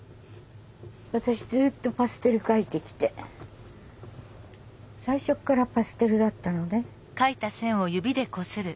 私ずっとパステル描いてきて最初っからパステルだったのね。